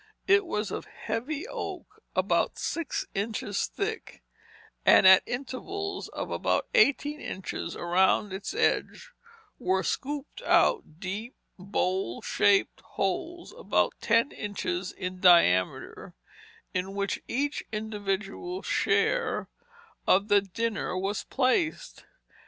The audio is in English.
It was of heavy oak about six inches thick, and at intervals of about eighteen inches around its edge were scooped out deep, bowl shaped holes about ten inches in diameter, in which each individual's share of the dinner was placed.